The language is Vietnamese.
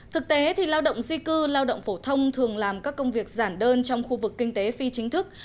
thực tế thì lao động di cư lao động phổ thông thường làm các công việc giản đơn trong khu vực kinh tế phi chính thức